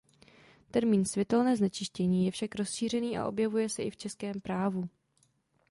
Termín "světelné znečištění" je však rozšířený a objevuje se i v českém právu.